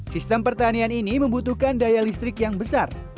sistem pertanian ini membutuhkan daya listrik yang besar